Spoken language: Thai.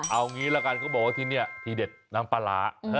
เอางี้ละกันเขาบอกว่าที่นี่ทีเด็ดน้ำปลาร้า